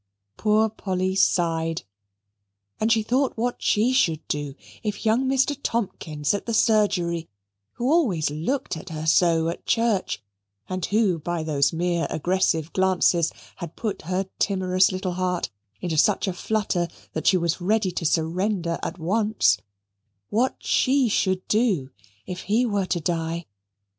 Poor Polly sighed: she thought what she should do if young Mr. Tomkins, at the surgery, who always looked at her so at church, and who, by those mere aggressive glances had put her timorous little heart into such a flutter that she was ready to surrender at once, what she should do if he were to die?